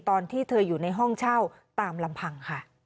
ตอนที่เธออยู่ในห้องเช่าตามลำพังค่ะ